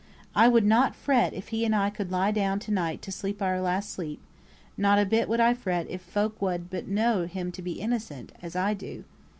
I would not fret if he and I could lie down to night to sleep our last sleep; not a bit would I fret if folk would but know him to be innocent as I do."